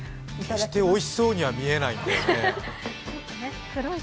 決しておいしそうには見えないんだよね。